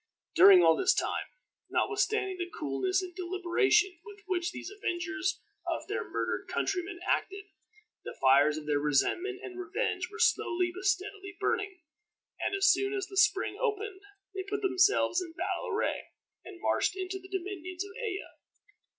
During all this time, notwithstanding the coolness and deliberation with which these avengers of their murdered countryman acted, the fires of their resentment and revenge were slowly but steadily burning, and as soon as the spring opened, they put themselves in battle array, and marched into the dominions of Ella.